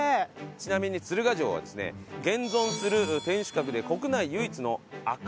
ちなみに鶴ヶ城はですね現存する天守閣で国内唯一の赤瓦の天守閣と。